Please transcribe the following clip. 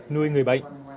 nuôi người bệnh